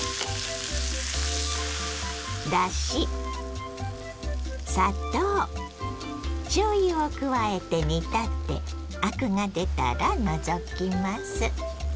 だし砂糖しょうゆを加えて煮立てアクが出たら除きます。